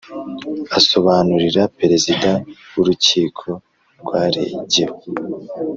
asobanurira Perezida w’Urukiko rwaregewe